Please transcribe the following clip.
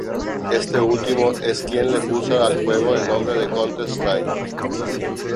Este último es quien le puso al juego el nombre de "Counter-Strike".